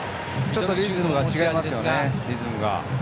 ちょっとリズムが違いますよね。